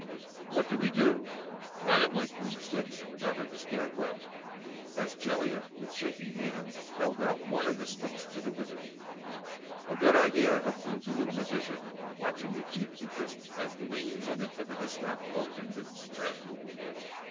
"What do we do ride 'em like broomsticks?" jabbered the Scarecrow, as Jellia with shaking hands held out one of the sticks to the Wizard. "A good idea!" approved the little magician, watching with deep interest as the wings on the tip of the staff opened and spread.